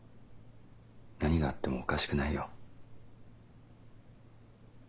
何があってもおかしくないよ。